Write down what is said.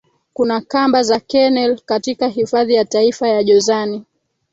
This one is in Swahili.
Kuna kamba za Kennel katika Hifadhi ya Taifa ya Jozani